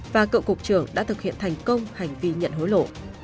và cựu cục trưởng đã thực hiện thành công hành vi nhận hối lộ